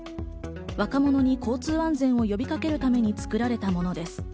若者に交通安全を呼びかけるために作られたものです。